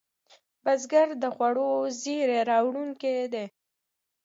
بزګر د خوړو زېری راوړونکی دی